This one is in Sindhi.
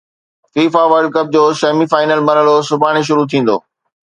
فيفا ورلڊ ڪپ جو سيمي فائنل مرحلو سڀاڻي شروع ٿيندو